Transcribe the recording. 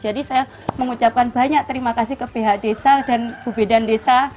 jadi saya mengucapkan banyak terima kasih ke pihak desa dan bu bedan desa